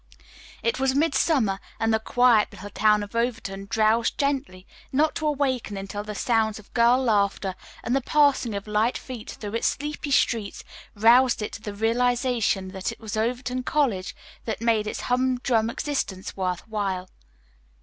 It was midsummer, and the quiet, little town of Overton drowsed gently, not to awaken until the sounds of girl laughter and the passing of light feet through its sleepy streets roused it to the realization that it was Overton College that made its hum drum existence worth while.